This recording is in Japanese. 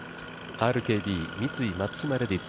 ＲＫＢ×三井松島レディス